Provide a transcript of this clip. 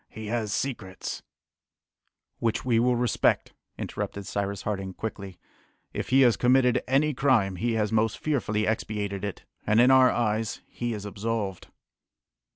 "He has secrets " "Which we will respect," interrupted Cyrus Harding quickly. "If he has committed any crime, he has most fearfully expiated it, and in our eyes he is absolved."